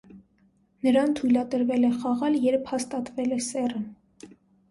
Նրան թույլատրվել է խաղալ, երբ հաստատվել է սեռը։